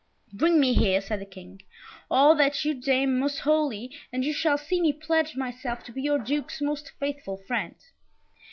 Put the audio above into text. "Bring me here," said the King, "all that you deem most holy, and you shall see me pledge myself to be your Duke's most faithful friend."